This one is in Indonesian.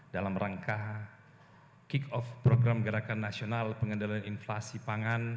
dalam rangka kick off program gerakan nasional pengendalian inflasi pangan